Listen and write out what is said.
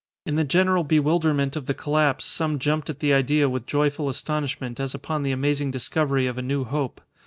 In the general bewilderment of the collapse some jumped at the idea with joyful astonishment as upon the amazing discovery of a new hope.